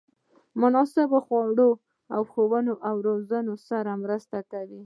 مناسبو خوړو او ښوونې او روزنې سره مرسته کوي.